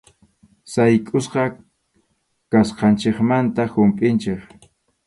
Saykʼusqa kasqanchikmanta humpʼinchik.